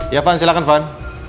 iya van silahkan van